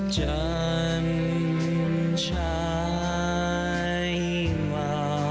จันทรายมา